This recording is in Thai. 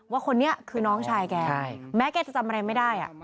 ว่าคนนี้คือน้องชายแกแม้แกจะจำอะไรไม่ได้